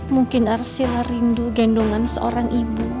mungkin arsila rindu gendongan seorang ibu